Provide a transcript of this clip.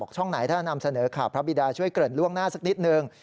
ช่องไหนถ้านำเสนอข่าวพระบิดาช่วยเกริ่นล่วงหน้าสักนิดนึง